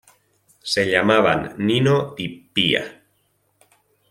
Se llamaban Nino y Pía.